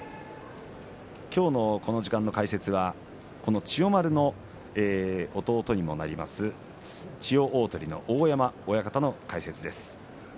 今日のこの時間の解説は千代丸の弟にもなります千代鳳の大山親方の解説です。